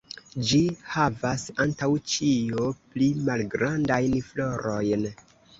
Ĝi havas antaŭ ĉio pli malgrandajn florojn.